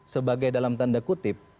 sebagai dalam tanda kutip